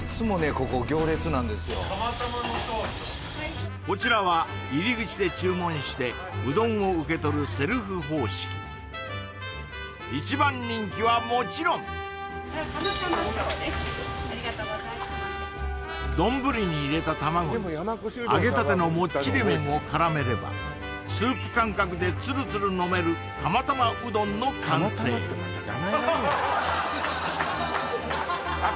ここ行列なんですよこちらは入り口で注文してうどんを受け取るセルフ方式一番人気はもちろん・釜玉小ですありがとうございます丼に入れた卵に揚げたてのモッチリ麺を絡めればスープ感覚でツルツル飲める釜玉うどんの完成あっ